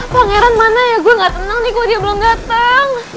pangeran mana ya gue gak tenang nih kok dia belum datang